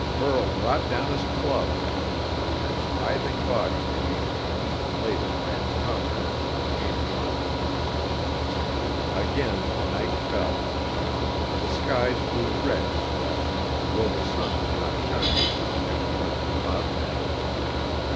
Burl brought down his club, and a writhing body remained to be eaten later by its comrades when they came upon it. Again night fell. The skies grew red in the west, though the sun did not shine through the ever present cloud bank.